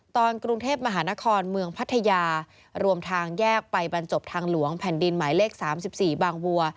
ตอนกรุงเทพมหานครเมืองพัทยารวมทางแยกไปบรรจบทางหลวงแผ่นดินหมายเลข๓๔บางวัว